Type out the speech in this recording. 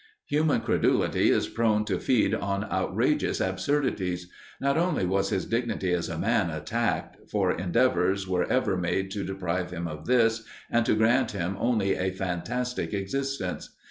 Human credulity is prone to feed on outrageous absurdities. Not only was his dignity as a man attacked, for endeavours were ever made to deprive him of this, and to grant him only a fantastic existence.